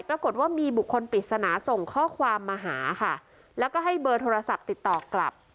ปรากฏว่ามีบุคคลปริศนาส่งข้อความมาหาค่ะแล้วก็ให้เบอร์โทรศัพท์ติดต่อกลับ